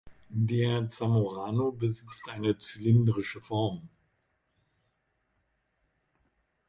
Der Zamorano besitzt eine zylindrische Form.